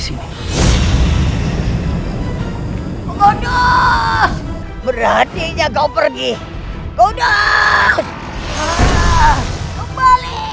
saya pikir haknya untuk kupa